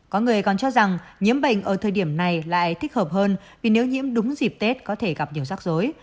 có người còn cho rằng nhiễm bệnh ở thời điểm này lại thích hợp hơn vì nếu nhiễm đúng dịp tết có thể gặp nhiều rắc rối